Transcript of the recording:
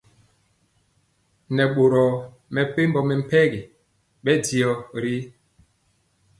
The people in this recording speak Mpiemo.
Nɛ boro mepempɔ mɛmpegi bɛndiɔ ri.